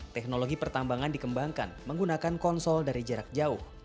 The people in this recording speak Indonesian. teknologi pertambangan dikembangkan menggunakan konsol dari jarak jauh